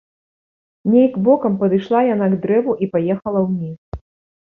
Нейк бокам падышла яна к дрэву і паехала ўніз.